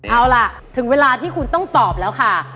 เอาล่ะถึงเวลาที่คุณต้องตอบแล้วค่ะ